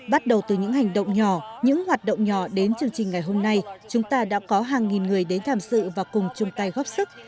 bắt đầu từ những hành động nhỏ những hoạt động nhỏ đến chương trình ngày hôm nay chúng ta đã có hàng nghìn người đến tham dự và cùng chung tay góp sức